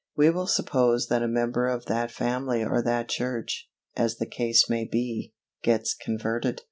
We will suppose that a member of that family or that church, as the case may be, gets converted.